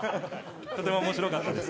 とても面白かったです。